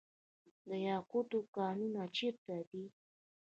د یاقوتو کانونه چیرته دي؟